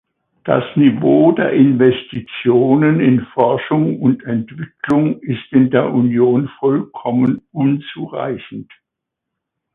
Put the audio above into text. Das Niveau der Investitionen in Forschung und Entwicklung ist in der Union vollkommen unzureichend.